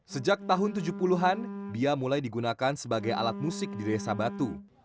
sejak tahun tujuh puluh an bia mulai digunakan sebagai alat musik di desa batu